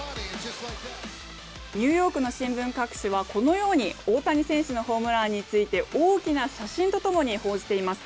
ニューヨークの新聞各紙はこのように大谷選手のホームランについて大きな写真と共に報じています。